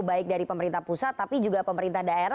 baik dari pemerintah pusat tapi juga pemerintah daerah